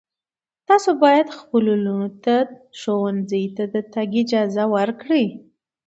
تاسو باید خپلو لوڼو ته ښوونځي ته د تګ اجازه ورکړئ.